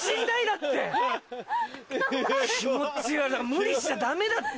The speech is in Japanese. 無理しちゃダメだって。